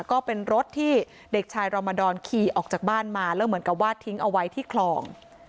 ก็เป็นรถที่เด็กชายรอมดรขี่ออกจากบ้านมาแล้วเหมือนกับว่าทิ้งเอาไว้ที่คลอง